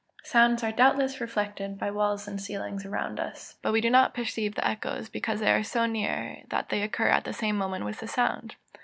_ Sounds are doubtless reflected by walls and ceilings around us. But we do not perceive the echoes, because they are so near that they occur at the same moment with the sound.